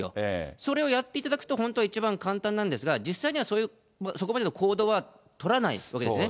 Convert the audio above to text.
それをやっていただくと、本当は一番簡単なんですが、実際にはそこまでの行動は取らないわけですね。